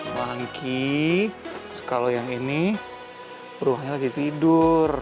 wangki terus kalau yang ini ruangnya lagi tidur